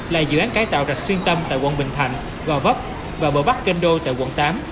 là dự án cải tạo rạch xuyên tâm tại quận bình thạnh gò vấp và bờ bắc kênh đô tại quận tám